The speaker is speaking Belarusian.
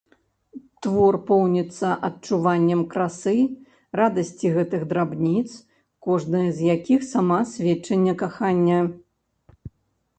Твор поўніцца адчуваннем красы, радасці гэтых драбніц, кожная з якіх сама сведчанне кахання.